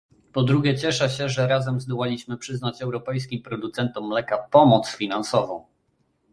Po drugie cieszę się, że razem zdołaliśmy przyznać europejskim producentom mleka pomoc finansową